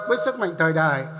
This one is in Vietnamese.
với sức mạnh thời đại